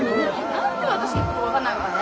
何で私のこと分かんないのかね？